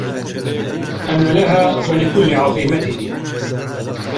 أنا لها ولكل عظيمة